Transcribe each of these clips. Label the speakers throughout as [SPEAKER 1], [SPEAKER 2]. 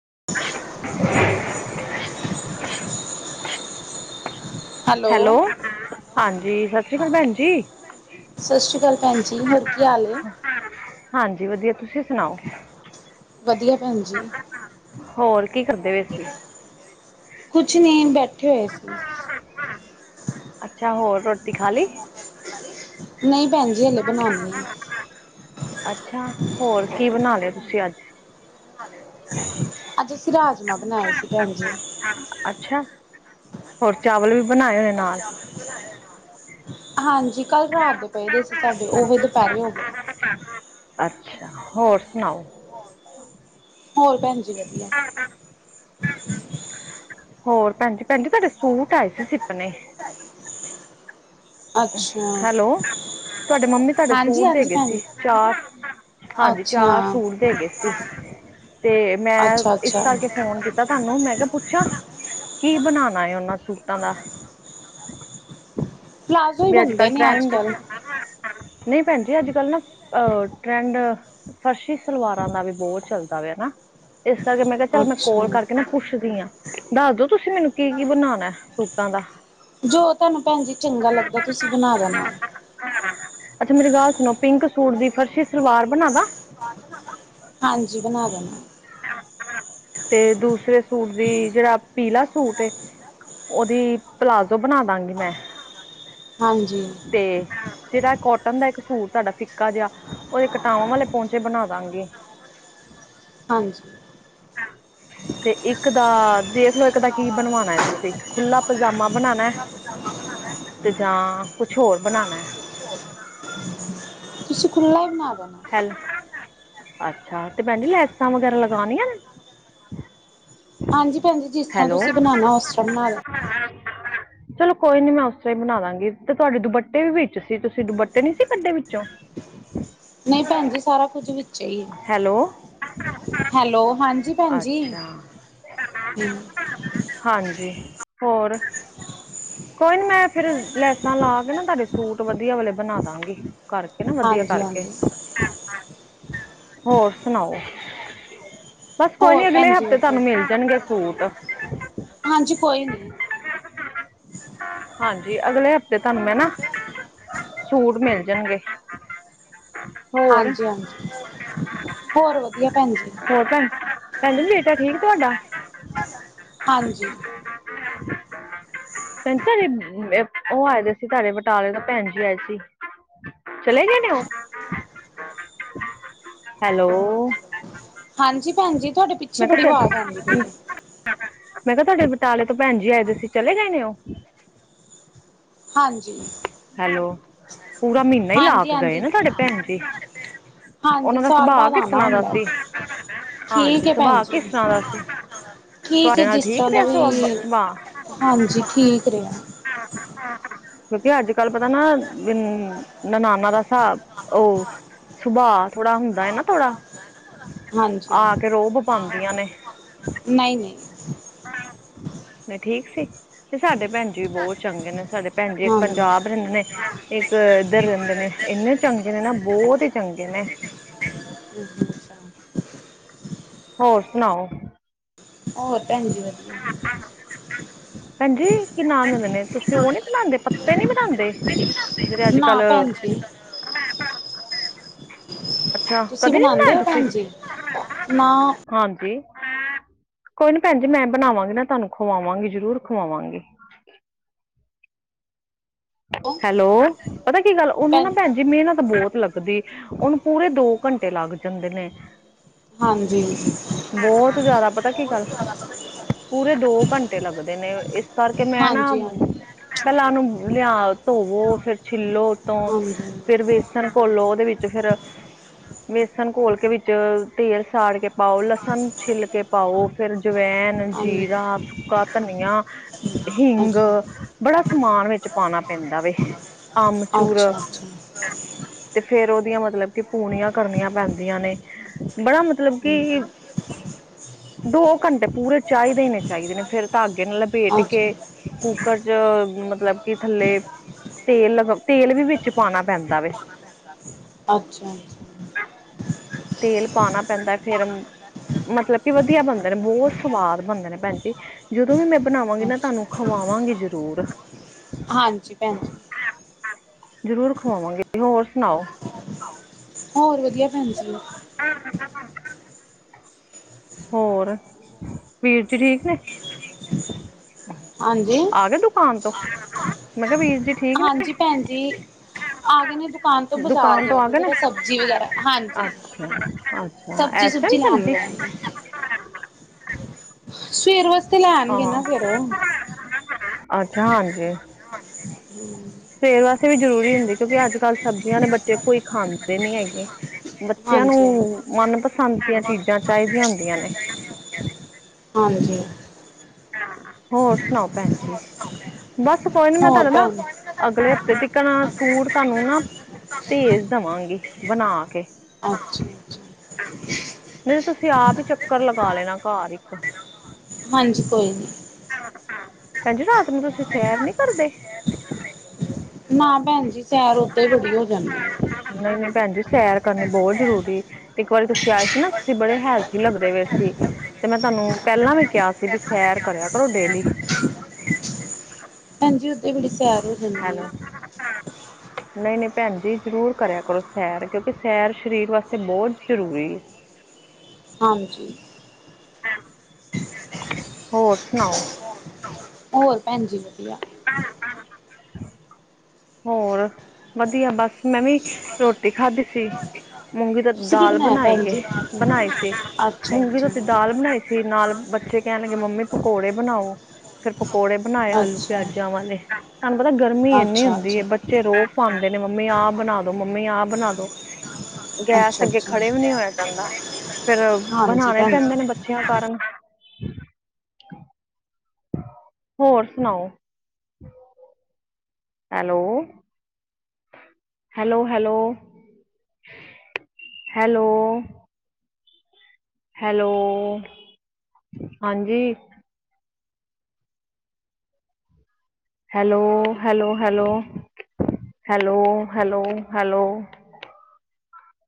[SPEAKER 1] [unintelligible]
[SPEAKER 2] Hello ਹਾਂਜੀ ਸਤਿ ਸ੍ਰੀ ਅਕਾਲ ਭੈਣ ਜੀ
[SPEAKER 1] ਸਤਿ ਸ਼੍ਰੀ ਅਕਾਲ ਭੈਣ ਜੀ ਹੋਰ ਕੀ ਹਾਲ ਹੈ।
[SPEAKER 2] ਹਾਂਜੀ ਵਧੀਆ ਤੁਸੀਂ ਸੁਣਾਓ
[SPEAKER 1] ਵਧੀਆ ਭੈਣ ਜੀ
[SPEAKER 2] ਹੋਰ ਕੀ ਕਰਦੇ ਪਏ ਸੀਂ
[SPEAKER 1] ਕੁਛ ਨਹੀਂ ਬੈਠੇ ਹੋਏ ਸੀ।
[SPEAKER 2] ਅੱਛਾ ਹੋਰ ਰੋਟੀ ਖਾ ਲਈ
[SPEAKER 1] ਨਹੀਂ ਭੈਣ ਜੀ ਹਲੇ ਬਣਾਉਣੀ ਆ
[SPEAKER 2] ਅੱਛਾ ਹੋਰ ਕੀ ਬਣਾ ਲੈ ਆ ਤੁਸੀਂ ਅੱਜ
[SPEAKER 1] ਅੱਜ ਅਸੀਂ ਰਾਜਮਾਂ ਬਣਾਏ ਸੀ ਭੈਣ ਜੀ।
[SPEAKER 2] ਅੱਛਾ, ਹੋਰ ਚਾਵਲ ਵੀ ਬਣਾਏ ਹੋਏ ਨਾਲ?
[SPEAKER 1] ਹਾਂਜੀ ਕੱਲ੍ਹ ਰਾਤ ਦੇ ਪਏ ਦੇ ਸੀ ਸਾਡੇ, ਉਹ ਵੇ ਦੁਪਹਿਰੇ ਹੋ ਗਿਆ।
[SPEAKER 2] ਅੱਛਾ, ਹੋਰ ਸੁਣਾਓ।
[SPEAKER 1] ਹੋਰ ਭੈਣ ਜੀ ਵਧੀਆ।
[SPEAKER 2] ਹੋਰ ਭੈਣ ਜੀ। ਭੈਣ ਜੀ, ਤਾਡੇ ਸੂਟ ਆਏ ਸੀ ਸਿਪਨੇ।
[SPEAKER 1] ਅੱਛਾ।
[SPEAKER 2] ਤੁਆਡੇ ਮੰਮੀ ਤਾਡੇ
[SPEAKER 1] ਹਾਂਜੀ
[SPEAKER 2] ਸੂਟ ਦੇ
[SPEAKER 1] ਹਾਂਜੀ
[SPEAKER 2] ਗਏ
[SPEAKER 1] ਭੈਣ
[SPEAKER 2] ਸੀ,
[SPEAKER 1] ਜੀ
[SPEAKER 2] ਚਾਰ ਹਾਂਜੀ, ਚਾਰ
[SPEAKER 1] ਅੱਛਾ
[SPEAKER 2] ਸੂਟ ਦੇ ਗਏ ਸੀ। ਤੇ ਮੈਂ
[SPEAKER 1] ਅੱਛਾ
[SPEAKER 2] ਇਸ
[SPEAKER 1] ਅੱਛਾ
[SPEAKER 2] ਕਰਕੇ ਫੋਨ ਕੀਤ ਤਾਂ ਤਾਨੂੰ ਮੈਂ ਕਿਹਾ ਪੁੱਛਾਂ, ਕੀ ਬਣਾਣਾ ਏ ਉਹਨਾਂ ਸੂਟਾਂ ਦਾ।
[SPEAKER 1] ਪਲਾਜ਼ੋ ਹੀ
[SPEAKER 2] ਵੀ ਅੱਜ
[SPEAKER 1] ਬਣਦੇ
[SPEAKER 2] ਕੱਲ
[SPEAKER 1] ਨੇ ਅੱਜ
[SPEAKER 2] ਟਰੈਂਡ।
[SPEAKER 1] ਕੱਲ੍ਹ
[SPEAKER 2] ਨਹੀਂ ਭੈਣ ਜੀ, ਅੱਜ ਕੱਲ ਨਾ ਅਹ-ਟਰੈਂਡ ਫਰਸ਼ੀ ਸਲਵਾਰਾਂ ਦਾ ਵੀ ਬਹੁਤ ਚੱਲਦਾ ਵਿਆ ਨਾ, ਇਸ ਕਰਕੇ ਮੈਂ ਕਿਹਾ ਚੱਲ ਮੈਂ
[SPEAKER 1] ਅੱਛਾ
[SPEAKER 2] ਕੋਲ ਕਰਕੇ ਨਾ ਪੁੱਛਦੀ ਆਂ। ਦੱਸਦੋ ਤੁਸੀਂ ਮੈਨੂੰ, ਕੀ ਕੀ ਬਣਾਣਾ ਐ ਸੂਟਾਂ ਦਾ।
[SPEAKER 1] ਜੋ ਤਾਨੂੰ ਭੈਣ ਜੀ ਚੰਗਾ ਲੱਗਦਾ, ਤੁਸੀਂ ਬਣਾ ਦੇਣਾ।
[SPEAKER 2] ਅੱਛਾ ਮੇਰੀ ਗੱਲ ਸੁਣੋ, ਪਿੰਕ ਸੂਟ ਦੀ ਫਰਸ਼ੀ ਸਲਵਾਰ ਬਣਾਦਾਂ?
[SPEAKER 1] ਹਾਂਜੀ, ਬਣਾ ਦੇਣਾ।
[SPEAKER 2] ਤੇ ਦੂਸਰੇ ਸੂਟ ਦੀ, ਜਿਹੜਾ ਪੀਲਾ ਸੂਟ ਏ ਉਹਦੀ ਪਲਾਜ਼ੋ ਬਣਾ ਦਾਂਗੀ ਮੈਂ।
[SPEAKER 1] ਹਾਂਜੀ।
[SPEAKER 2] ਤੇ ਜਿਹੜਾ ਕੋਟਨ ਦਾ ਇੱਕ ਸੂਟ ਤਾਡਾ ਫਿੱਕ ਕਾ ਜਿਆ, ਉਹਦੇ ਕਟਾਵਾਂ ਵਾਲੇ ਪਉਂਚੇ ਬਣਾ ਦਾਂਗੀ।
[SPEAKER 1] ਹਾਂਜੀ।
[SPEAKER 2] [unintelligible] ਤੇ ਇੱਕ ਦਾ ਦੇਖਲੋ ਇੱਕ ਦਾ ਕੀ ਬਣਵਾਣਾ ਐ ਤੁਸੀਂ, ਖੁਲਾ ਪਜਾਮਾ ਬਨਾਣਾ ਐਂ ਤੇ ਜਾਂ ਕੁਛ ਹੋਰ ਬਣਾਣਾ ਐ।
[SPEAKER 1] ਤੁਸੀਂ ਖੁਲਾ ਈ ਬਣਾ ਦੇਣਾ।
[SPEAKER 2] ਹੈਲ, ਅੱਛਾ ਤੇ ਭੈਨ ਜੀ ਲੈਸਾਂ ਵਗੈਰਾ ਲਗਾਨੀਆਂ ਨੇ।
[SPEAKER 1] ਹਾਂਜੀ ਭੈਣ ਜੀ, ਜਿਸ ਤਰ੍ਹਾਂ
[SPEAKER 2] ਹੈਲੋ
[SPEAKER 1] ਤੁਸੀਂ ਬਨਾਨਾ ਉਸ ਤਰ੍ਹਾਂ ਬਨਾ ਲਓ।
[SPEAKER 2] [unintelligible] ਚਲੋ ਕੋਈ ਨੀ, ਮੈਂ ਉਸ ਤਰਾਂ ਈ ਬਣਾ ਦਾਂਗੀ। ਤੇ ਤੁਆਡੇ ਦੁਪੱਟੇ ਵੀ ਵਿੱਚ ਸੀ। ਤੁਸੀਂ ਦੁਪੱਟੇ ਨੀ ਸੀ ਕੱਢੇ ਵਿੱਚੋਂ?
[SPEAKER 1] ਨਈਂ ਭੈਣ ਜੀ, ਸਾਰਾ ਕੁਝ ਵਿੱਚ ਚੇ ਈ ਐ।
[SPEAKER 2] ਹੈਲੋ
[SPEAKER 1] ਹੈਲੋ, ਹਾਂਜੀ ਭੈਣ ਜੀ।
[SPEAKER 2] ਅੱਛਾ
[SPEAKER 1] ਹੂੰ
[SPEAKER 2] ਹਾਂਜੀ, ਹੋਰ। ਕੋਈ ਨੀ ਮੈਂ ਫੇਰ, ਲੈਸਾਂ ਲਾ ਕੇ ਨਾ ਤਾਡੇ ਸੂਟ ਵਧੀਆ ਵਾਲੇ ਬਣਾ ਦਾਂਗੀ, ਕਰ
[SPEAKER 1] ਹਾਂਜੀ, ਹਾਂਜੀ।
[SPEAKER 2] ਹੋਰ ਸੁਣਾਓ। ਬਸ ਕੋਈ
[SPEAKER 1] ਹੋਰ
[SPEAKER 2] ਨੀ, ਅਗਲੇ
[SPEAKER 1] ਭੈਣ ਜੀ
[SPEAKER 2] ਹਫ਼ਤੇ ਤਾਨੂੰ
[SPEAKER 1] ਵਧੀਆ
[SPEAKER 2] ਮਿਲ ਜਾਣਗੇ ਸੂਟ।
[SPEAKER 1] ਹਾਂਜੀ, ਕੋਈ ਨੀ।
[SPEAKER 2] ਹਾਂਜੀ, ਅਗਲੇ ਹਫ਼ਤੇ ਤਾਨੂੰ ਮੈਂ ਨਾ ਸੂਟ ਮਿਲ ਜਣਗੇ।
[SPEAKER 1] ਹਾਂਜੀ ਹਾਂਜੀ, ਹੋਰ ਵਧੀਆ ਭੈਣ ਜੀ।
[SPEAKER 2] ਹੋਰ ਭੈਣ ਭੈਣ ਜੀ ਬੇਟਾ ਠੀਕ ਤੁਆਡਾ।
[SPEAKER 1] ਹਾਂਜੀ।
[SPEAKER 2] ਤਾਡੇ-ਅ-ਮ-ਬ ਉਹ ਆਏ ਦੇ ਸੀ, ਤਾਡੇ ਬਟਾਲੇ ਤੋਂ ਭੈਣ ਜੀ ਆਏ ਸੀ। ਚਲੇ ਗਏ ਨੇ ਓਹ। ਹੈਲੋ।
[SPEAKER 1] ਹਾਂਜੀ ਭੈਣ ਜੀ, ਤੁਆਡੇ ਪਿੱਛੇ
[SPEAKER 2] ਮੈਂ
[SPEAKER 1] ਬੜੀ
[SPEAKER 2] ਕਿਹਾ ਚ-
[SPEAKER 1] ਆਵਾਜ਼ ਆਂਦੀ ਪਈ ਐ।
[SPEAKER 2] ਮੈਂ ਕਿਆ ਤਾਡੇ ਬਟਾਲੇ ਤੋਂ ਭੈਣ ਜੀ ਆਏ ਦੇ ਸੀ, ਚਲੇ ਗਏ ਨੇ ਉਹ?
[SPEAKER 1] ਹਾਂਜੀ,
[SPEAKER 2] ਹੈਲੋ ਪੂਰਾ ਮਹੀਨਾ ਹੀ ਲਾ
[SPEAKER 1] ਹਾਂਜੀ
[SPEAKER 2] ਕੇ ਗਏ
[SPEAKER 1] ਹਾਂਜੀ।
[SPEAKER 2] ਨੇ ਤੁਹਾਡੇ ਭੈਣ ਜੀ
[SPEAKER 1] ਹਾਂਜੀ,
[SPEAKER 2] ਉਹਨਾਂ ਦਾ
[SPEAKER 1] ਸਾਲ
[SPEAKER 2] ਸੁਭਾਅ
[SPEAKER 1] ਬਾਅਦ
[SPEAKER 2] ਕਿਸ
[SPEAKER 1] ਆਣਾ
[SPEAKER 2] ਤਰ੍ਹਾਂ ਦਾ
[SPEAKER 1] ਹੁੰਦਾ।
[SPEAKER 2] ਸੀ ਹਾਂਜੀ
[SPEAKER 1] ਠੀਕ ਏ ਭੈਣ
[SPEAKER 2] ਸੁਭਾਅ
[SPEAKER 1] ਜੀ।
[SPEAKER 2] ਕਿਸ ਤਰ੍ਹਾਂ ਦਾ ਸੀ
[SPEAKER 1] ਠੀਕ ਹੈ
[SPEAKER 2] ਤੁਹਾਡੇ ਨਾਲ
[SPEAKER 1] ਜਿਸ
[SPEAKER 2] ਠੀਕ
[SPEAKER 1] ਤਰ੍ਹਾਂ ਦਾ
[SPEAKER 2] ਰਿਹਾ
[SPEAKER 1] ਕੋਈ
[SPEAKER 2] ਸੁਭਾਅ
[SPEAKER 1] ਹਾਂਜੀ ਠੀਕ ਰਿਹਾ
[SPEAKER 2] ਹਾਂਾਂ ਹਾਂ ਹਾਂ ਕਿਉਂਕਿ ਅੱਜ ਕੱਲ ਪਤਾ ਨਾ ਨਨਾਨਾ ਦਾ ਹਿਸਾਬ ਉਹ ਸੁਭਾਅ ਥੋੜਾ ਹੁੰਦਾ ਹੈ ਨਾ ਥੋੜਾ
[SPEAKER 1] ਹਾਂਜੀ
[SPEAKER 2] ਆ
[SPEAKER 1] ਹਾਂਜੀ
[SPEAKER 2] ਕੇ ਰੋਬ ਪਾਉਂਦੀਆਂ
[SPEAKER 1] ਨਹੀਂ ਨਹੀਂ
[SPEAKER 2] ਨੇ ਠੀਕ ਸੀ ਤੇ ਸਾਡੇ ਭੈਣ ਜ ਵੀ ਬਹੁਤ ਚੰਗੇ ਨੇ ਸਾਡੇ ਭੈਣ ਜ
[SPEAKER 1] ਹਾਂਜੀ
[SPEAKER 2] ਪੰਜਾਬ ਰਹਿੰਦੇ ਨੇ ਇੱਕ ਇੱਧਰ ਰਹਿੰਦੇ ਨੇ ਇੰਨੇ ਚੰਗੇ ਨੇ ਨਾ ਬਹੁਤ ਹੀ ਚੰਗੇ ਨੇ ਹੋਰ ਸੁਣਾਓ
[SPEAKER 1] ਹੋਰ ਭੈਣ ਜੀ ਵਧੀਆ
[SPEAKER 2] ਭੈਣਜੀ ਕਿੰਨਾ ਆਨੰਦ ਨੇ ਤੁਸੀਂ ਉਹ ਨੀ ਬਣਾਉਂਦੇ ਪੱਤੇ ਨੀ ਬਣਾਉਂਦੇ ਫਿਰ ਅਜ
[SPEAKER 1] ਨਾ
[SPEAKER 2] ਕੱਲ
[SPEAKER 1] ਭੈਣ ਜੀ
[SPEAKER 2] ਅੱਛਾ
[SPEAKER 1] ਤੁਸੀਂ
[SPEAKER 2] ਕਦੇ ਨੀ
[SPEAKER 1] ਬਣਾਉਂਦੇ
[SPEAKER 2] ਬਣਾਏ
[SPEAKER 1] ਹੋ
[SPEAKER 2] ਤੁਸੀਂ
[SPEAKER 1] ਭੈਣ ਜੀ ਨਾ
[SPEAKER 2] ਹਾਂਜੀ ਕੋਈ ਨੀ ਭੈਣ ਜੀ ਮੈਂ ਬਣਾਵਾਂਗੀ ਨਾ ਤੁਹਾਨੂੰ ਖਵਾਵਾਂਗੀ ਜ਼ਰੂਰ ਖੁਵਾਵਾਂਗੇ
[SPEAKER 1] ਹੋ
[SPEAKER 2] ਹੈਲੋ ਪਤਾ ਕੀ ਗੱਲ ਉਹਨੂੰ ਨਾ ਭੈਣ ਜੀ ਮਿਹਨਤ ਬਹੁਤ ਲੱਗਦੀ ਉਹਨੂੰ ਪੂਰੇ ਦੋ ਘੰਟੇ ਲੱਗ ਜਾਂਦੇ ਨੇ
[SPEAKER 1] ਹਾਂਜੀ
[SPEAKER 2] ਬਹੁਤ ਜ਼ਿਆਦਾ ਪਤਾ ਕੀ ਗੱਲ ਪੂਰੇ ਦੋ ਘੰਟੇ ਲੱਗਦੇ ਨੇ ਇਸ ਕਰਕੇ ਮੈਂ ਨਾ
[SPEAKER 1] ਹਾਂਜੀ ਹਾਂਜੀ
[SPEAKER 2] ਪਹਿਲਾਂਨੂੰ ਲਿਆ ਧੋਵੋ ਫਿਰ ਛਿੱਲੋ ਉਤੋਂ ਫਿਰ ਬੇਸਨ ਘੋਲੋ ਉਹਦੇ ਵਿੱਚ ਫੇਿਰ ਵੇਸਣ ਘੋਲ ਕੇ ਵਿੱਚ ਤੇਲ ਸਾੜ ਕੇ ਪਾਓ ਲਸਣ ਛਿੱਿਲ ਕੇ ਪਾਓ ਫਿਰ ਜਵਾੈਨ
[SPEAKER 1] ਹਾਂਜੀ ਹਾਂਜੀ
[SPEAKER 2] ਜੀਰਾ ਸੁੱਕਾ ਧਨੀਆ ਹਿੰਗ
[SPEAKER 1] ਅੱਛਾ
[SPEAKER 2] ਬੜਾ ਸਮਾਨ ਵਿੱਚ ਪਾਉਣਾ ਪੈਂਦਾ ਵ ਆਮਚੂੂਰ
[SPEAKER 1] ਅੱਛਾ
[SPEAKER 2] ਤੇ ਫੇਰ ਉਹਦੀਆਂ ਮਤਲਬ ਕੀ ਪੂਣੀਆਂ ਕਰਨੀਆਂ ਪੈਂਦੀਆਂ ਨੇ ਬੜਾ ਮਤਲਬ ਕਿ ਦੋ ਘੰਟੇ ਪੂਰੇ ਚਾਹੀਦੇ ਹੀ ਨੇ ਚਾਹੀਦੇ ਨੇ ਫੇਿਰ ਧਾਗੇ ਨਾਲ ਲਪੇਟ
[SPEAKER 1] ਅੱਛਾ
[SPEAKER 2] ਕੇ
[SPEAKER 1] ਹਾਂਜੀ
[SPEAKER 2] ਕੁੱਕਰ ਚ ਮਤਲਬ ਕਿ ਥੱਲੇ ਤੇਲ ਤੇਲ ਵੀ ਵਿੱਚ ਪਾਉਣਾ ਪੈਂਦਾ ਵ
[SPEAKER 1] ਅੱਛਾ ਜੀ
[SPEAKER 2] ਤੇਲ ਪਾਉਣਾ ਪੈਂਦਾ ਫੇਿਰ ਮਤਲਬ ਕਿ ਵਧੀਆ ਬਣਦੇ ਨੇ ਬਹੁਤ ਸਵਾਦ ਬਣਦੇ ਨੇ ਭੈਣ ਜੀ ਜਦੋਂ ਵੀ ਮੈਂ ਬਣਾਵਾਂਗੀ ਨਾ
[SPEAKER 1] ਅੱਛਾ
[SPEAKER 2] ਤੁਹਾਨੂੰ ਖਵਾਵਾਂਗੀ ਜ਼ਰੂਰ
[SPEAKER 1] ਹਾਂਜੀ ਭੈਣ ਜ
[SPEAKER 2] ਜ਼ਰੂਰ ਖਵਾਵਾਂਗੇ ਹੋਰ ਸੁਣਾਓ
[SPEAKER 1] ਹੋਰ ਵਧੀਆ ਭੈਣ ਜੀ
[SPEAKER 2] ਹਮ ਹਮ ਹਮਾਂ ਹੋਰ ਵੀਰ ਚ ਠੀਕ ਨੇ
[SPEAKER 1] ਹਾਂਜੀ
[SPEAKER 2] ਆ ਗਏ ਦੁਕਾਨ ਤੋਂ ਮੈਂ ਕਿਹਾ ਵੀਰ ਜੀ ਠੀਕ ਨੇ
[SPEAKER 1] ਹਾਂਜੀ ਭੈਣ ਜੀ ਆ ਗਏ ਨੇ ਦੁਕਾਨ ਤੋਂ ਬਾਜ਼ਾਰ
[SPEAKER 2] ਦੁਕਾਨ ਤੋਂ
[SPEAKER 1] ਗਏ
[SPEAKER 2] ਆ
[SPEAKER 1] ਨੇ ਜਿਹੜਾ ਸਬਜ਼ੀ ਵਗੈਰਾ ਹਾਂਜੀ
[SPEAKER 2] ਅੱਛਾ ਅੱਛਾ
[SPEAKER 1] ਸਬਜ਼ੀ
[SPEAKER 2] ਇਸ ਟਾਈਮ
[SPEAKER 1] ਸੁਬਜੀ ਲਾ
[SPEAKER 2] ਸਬਜ਼ੀ
[SPEAKER 1] ਰ ਸਵੇਰ ਵਾਸਤੇ ਲੈਣਗੇ
[SPEAKER 2] ਹਾਂ
[SPEAKER 1] ਨਾ ਫੇਰ
[SPEAKER 2] ਅੱਛਾ ਹਾਂਜੀ
[SPEAKER 1] ਹ
[SPEAKER 2] ਸਵੇਰ ਵਾਸਤੇ ਵੀ ਜ਼ਰੂਰੀ ਹੁੰਦੀ ਕਿਉਂਕਿ ਅੱਜ ਕੱਲ ਸਬਜ਼ੀਆਂ ਦੇ ਬੱਚੇ ਕੋਈ ਖਾਂਦੇ ਨੀ ਹੈਗੇ ਬੱਚਿਆਂ
[SPEAKER 1] ਹਾਂਜੀ ਹਾਂਜੀ
[SPEAKER 2] ਨੂੰ ਮਨਪਸੰਦ ਦੀਆਂ ਚੀਜ਼ਾਂ ਚਾਹੀਦੀਆਂ ਹੁੰਦੀਆਂ ਨੇ
[SPEAKER 1] ਹਾਂਜੀ
[SPEAKER 2] ਹੋਰ ਸੁਣਾਓ ਭੈਣ ਜੀ ਬਸ ਕੋਈ ਨੀ ਮੈਂ
[SPEAKER 1] ਹੋਰ
[SPEAKER 2] ਤੁਹਾਡੇ ਨਾ
[SPEAKER 1] ਭੈਣ
[SPEAKER 2] ਅਗਲੇ ਹਫ਼ਤੇ ਚਿਕਨ ਸੂਟ ਤੁਹਾਨੂੰ ਨਾ ਭੇਜ ਦੇਵਾਂਗੀ ਬਣਾ ਕੇ
[SPEAKER 1] ਅੱਛਾ ਅੱਛਾ
[SPEAKER 2] ਨਹੀਂ, ਤੁਸੀਂ ਆਪ ਹੀ ਚੱਕਰ ਲਗਾ ਲੈਣਾ, ਘਰ ਇੱਕ।
[SPEAKER 1] ਹਾਂਜੀ, ਕੋਈ ਨਹੀਂ।
[SPEAKER 2] ਭੈੰਜੀ, ਰਾਤ ਨੂੰ ਤੁਸੀਂ ਸੈਰ ਨੀ ਕਰਦੇ? [unintelligible]
[SPEAKER 1] ਨਾ ਭੈਣ ਜੀ, ਸੈਰ ਓਦਾਂ ਹੀ ਬੜੀ ਹੋ ਜਾਂਦੀ।
[SPEAKER 2] ਨਹੀਂ -ਨਹੀਂ ਭੈਣ ਜੀ, ਸੈਰ ਕਰਨੀ ਬਹੁਤ ਜ਼ਰੂਰੀ। ਇੱਕ ਵਾਰੀ, ਤੁਸੀਂ ਆਏ ਸੀ ਨਾ, ਤੇ ਬੜੇ ਹੈਲਦੀ ਲੱਗਦੇ ਵਏ ਸੀ। ਤੇ, ਮੈਂ ਤੁਹਾਨੂੰ ਪਹਿਲਾਂ ਵੀ ਕਿਹਾ ਸੀ, ਬੀ ਸੈਰ ਕਰਿਆ ਕਰੋ ਡੇਲੀ।
[SPEAKER 1] ਭੈਣ ਜੀ, ਉਥੇ ਬੜੀ ਸੈਰ ਹੋ ਜਾਂਦੀ।
[SPEAKER 2] ਹਾਂ। ਨਹੀਂ -ਨਹੀਂ ਭੈਣ ਜੀ, ਜ਼ਰੂਰ ਕਰਿਆ ਕਰੋ ਸੈਰ, ਕਿਉਂਕਿ ਸੈਰ ਸ਼ਰੀਰ ਵਾਸਤੇ ਬਹੁਤ ਜ਼ਰੂਰੀ ਹੈ।
[SPEAKER 1] ਹਾਂਜੀ।
[SPEAKER 2] ਹੋਰ ਸੁਣਾਓ।
[SPEAKER 1] ਹੋਰ, ਭੈਣ ਜੀ ਵਧੀਆ।
[SPEAKER 2] [unintelligible] ਹੋਰ ਵਧੀਆ, ਬਸ ਮੈਂ ਵੀ ਰੋਟੀ ਖਾਧੀ ਸੀ। ਮੂੰਗੀ ਧੂਤੀ
[SPEAKER 1] ਤੁਸੀਂ ਕੀ
[SPEAKER 2] ਦਾਲ
[SPEAKER 1] ਬਣਾਇਆ
[SPEAKER 2] ਬਣਾਈ
[SPEAKER 1] ਭੈਣ
[SPEAKER 2] ਏ,
[SPEAKER 1] ਜੀ
[SPEAKER 2] ਬਣਾਈ ਸੀ
[SPEAKER 1] ਅੱਛਾ
[SPEAKER 2] ਮੂੰਗੀ
[SPEAKER 1] ਅੱਛਾ
[SPEAKER 2] ਧੂਤੀ ਦਾਲ ਬਣਾਈ ਸੀ। ਫਿਰ, ਨਾਲ ਬੱਚੇ ਕਹਿਣ ਲੱਗੇ, ਮੰਮੀ, ਪਕੌੜੇ ਬਣਾਓ। ਫਿਰ ਪਕੌੜੇ। ਬਣਾਏ,
[SPEAKER 1] ਅੱਛਾ
[SPEAKER 2] ਆਲੂ-ਪਿਆਜ਼ਾਂ ਵਾਲੇ। ਤੁਹਾਨੂੰ ਪਤਾ, ਗਰਮੀ ਇੰਨੀ
[SPEAKER 1] ਅੱਛਾ ਅੱਛਾ
[SPEAKER 2] ਹੁੰਦੀ। ਹੈ ਬੱਚੇ ਰੋਅਬ ਪਾਉਂਦੇ ਨੇ, ਮੰਮੀ, ਆਹ ਬਣਾ ਦੋ, ਮੰਮੀ ਆਹ ਬਣਾ ਦੋ। ਗੈਸ
[SPEAKER 1] ਅੱਛਾ
[SPEAKER 2] ਅੱਗੇ ਖੜੇ ਵੀ
[SPEAKER 1] ਅੱਛਾ
[SPEAKER 2] ਨਹੀਂ ਹੋਇਆ ਜਾਂਦਾ, ਫਿਰ
[SPEAKER 1] ਹਾਂਜੀ
[SPEAKER 2] ਬਣਾਉਣੇ
[SPEAKER 1] ਭੈਣ ਜੀ
[SPEAKER 2] ਪੈਂਦੇ ਨੇ ਬ ਬੱਚਿਆਂ, ਕਾਰਨ। ਹੋਰ ਸੁਣਾਓ? Hello. Hello, hello. Hello. Hello, ਹਾਂਜੀ। Hello, hello, hello. Hello, hello, hello.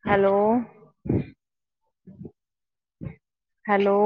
[SPEAKER 2] Hello. Hello.